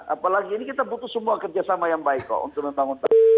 apalagi ini kita butuh semua kerjasama yang baik loh untuk menanggung tahun ini